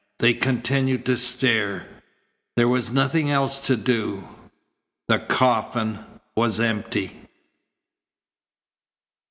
They continued to stare. There was nothing else to do. The coffin was empty.